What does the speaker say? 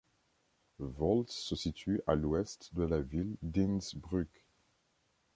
Völs se situe à l'Ouest de la ville d'Innsbruck.